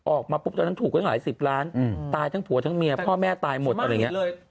ออกมาปุ๊บตอนนั้นถูกตั้งหลายสิบล้านตายทั้งผัวทั้งเมียพ่อแม่ตายหมดอะไรอย่างนี้